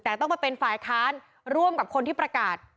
แต่ต้องไปเป็นฝ่ายค้านร่วมกับคนที่ประกาศ